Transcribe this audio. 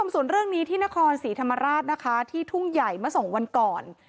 ส่วนเรื่องนี้ที่นครศรีธรรมราชนะคะที่ทุ่งใหญ่เมื่อ๒วันก่อน